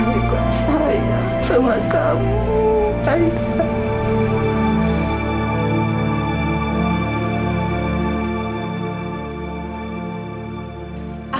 oma juga sayang sama kamu aida